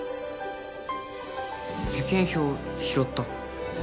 受験票拾った